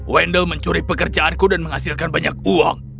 wendel mencuri pekerjaanku dan menghasilkan banyak uang